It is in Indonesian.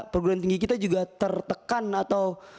perguruan tinggi kita juga tertekan atau